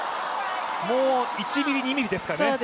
もう１ｍｍ、２ｍｍですかね。